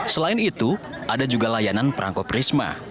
selain itu ada juga layanan perangko prisma